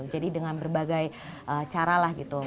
jadi dengan berbagai cara lah gitu